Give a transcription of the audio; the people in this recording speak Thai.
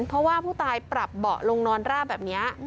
เพราะว่าผู้ตายปรับเบาะลงนอนราบแบบนี้